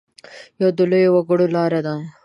یوه د لویو وګړو لاره ده.